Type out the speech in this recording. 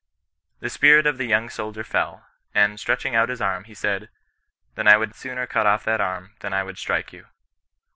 The spirit of the young soldier fell ; and, stretching out his arm, he said, ' Then I would sooner cut off that arm than I would strike you.'